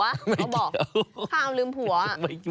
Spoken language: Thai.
ไม่เกี่ยวข้าวลืมหัว